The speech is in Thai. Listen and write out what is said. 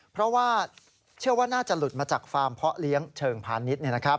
เพราะว่าเชื่อว่าน่าจะหลุดมาจากฟาร์มเพาะเลี้ยงเชิงพาณิชย์